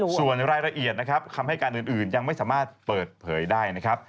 ส่วนรายละเอียดนะครับคำให้การอื่นยังไม่สามารถเปิดเผยได้นะครับ